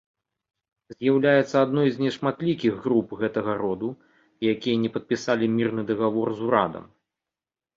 З'яўляецца адной з нешматлікіх груп гэтага роду, якія не падпісалі мірны дагавор з урадам.